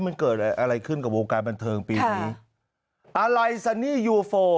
มันเกิดอะไรขึ้นกับวงการบันเทิงปีนี้อะไรซันนี่ยูโฟ